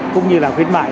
cũng như là khuyến mại